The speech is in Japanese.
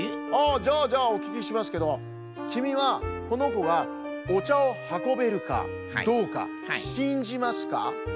じゃあじゃあおききしますけどきみはこのこがおちゃをはこべるかどうかしんじますか？